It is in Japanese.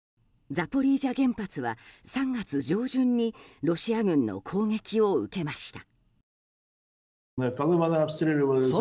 ザポリージャ原発は３月上旬にロシア軍の攻撃を受けました。